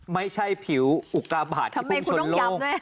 ไม่ใช่ผิวอุกราบาทที่ภูมิชนโลก